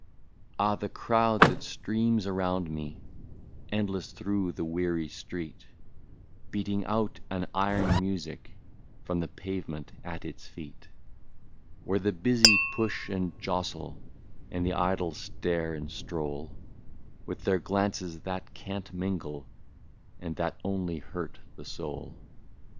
Ah ! the crowd that streams around me, Endless through the weary street, Beating out an iron music From the pavement at its feet. Where the busy push and jostle, And the idle stare and stroll, With their glances that can't mingle, And that only hurt the soul.